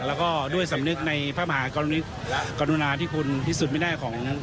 แล้วก็ด้วยสำนึกในพระมหากรุณาที่คุณพิสูจน์ไม่ได้ของ